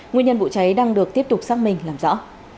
nguyên nhân vụ cháy đang được tiếp tục xác minh làm rõ